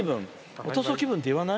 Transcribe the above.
おとそ気分って言わない？